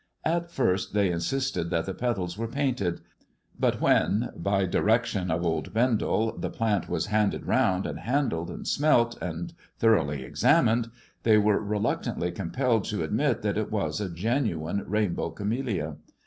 At first they insisted that tiha were painted, but when by direction of old Beodi plant was handed round, and handled, and smflti thoroughly examined, they were reluctantly compd admit that it was a genuine rainbow camellia.